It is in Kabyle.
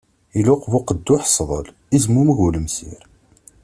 Iluqeb uqedduḥ sḍel, izmummeg ulemsir.